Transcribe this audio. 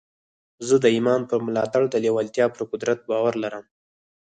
زه د ایمان پر ملاتړ د لېوالتیا پر قدرت باور لرم